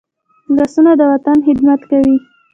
لاسونه د وطن خدمت کوي